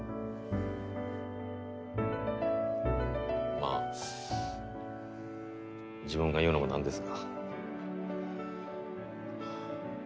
まあ自分が言うのもなんですが。